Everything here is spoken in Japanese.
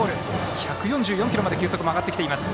１４４キロまで球速も上がってきています。